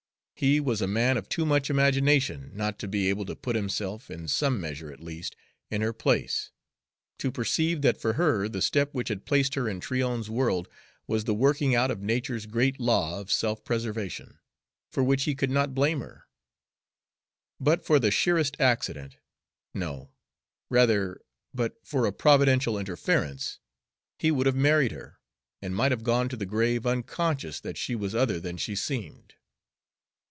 He was a man of too much imagination not to be able to put himself, in some measure at least, in her place, to perceive that for her the step which had placed her in Tryon's world was the working out of nature's great law of self preservation, for which he could not blame her. But for the sheerest accident, no, rather, but for a providential interference, he would have married her, and might have gone to the grave unconscious that she was other than she seemed.